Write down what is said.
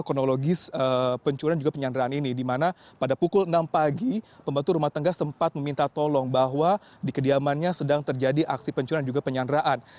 kronologis pencurian juga penyanderaan ini di mana pada pukul enam pagi pembantu rumah tangga sempat meminta tolong bahwa di kediamannya sedang terjadi aksi pencurian juga penyanderaan